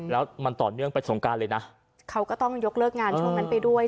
แล้วมันต่อเนื่องไปสงการเลยนะเขาก็ต้องยกเลิกงานช่วงนั้นไปด้วย